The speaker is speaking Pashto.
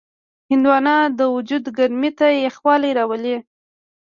هندوانه د وجود ګرمۍ ته یخوالی راولي.